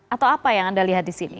atau apa yang anda lihat di sini